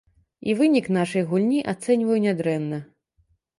І вынік нашай гульні ацэньваю нядрэнна.